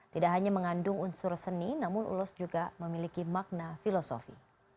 tidak hanya mengandung unsur seni namun ulos juga memiliki makna filosofi